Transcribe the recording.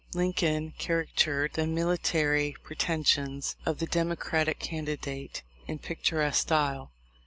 Lincoln caricatured the military pre tentions of the Democratic candidate in picturesque style.